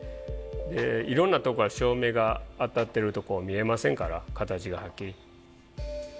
いろんなとこから照明が当たってると見えませんから形がはっきり。